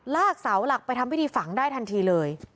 เสาหลักไปทำพิธีฝังได้ทันทีเลย